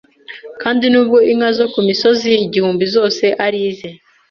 Kandi nubwo inka zo ku misozi igihumbi zose ari ize,